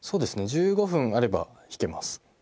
１５分あれば弾けます。